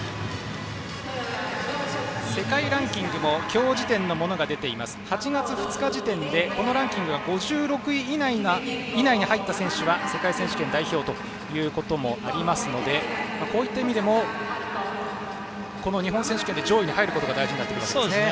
世界ランキングも今日時点のものが出ていますが８月２日時点でこのランキングの５６位以内に入った選手は世界選手権代表となりますのでこういった意味でもこの日本選手権で上位に入ることが大事になってきますね。